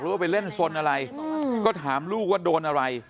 ว่าไปเล่นสนอะไรก็ถามลูกว่าโดนอะไร